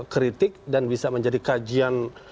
kritik dan bisa menjadi kajian